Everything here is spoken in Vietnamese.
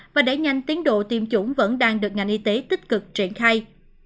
và đẩy nhanh tiến độ tiêm chủng vẫn đang được ngành y tế tích cực triển khai